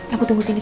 aku tunggu sini